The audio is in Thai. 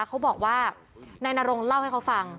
เขาบอกว่านายนรงเล่าให้เขาฟัง